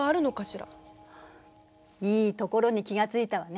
いいところに気が付いたわね。